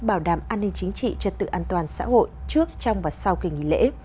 bảo đảm an ninh chính trị trật tự an toàn xã hội trước trong và sau kỳ nghỉ lễ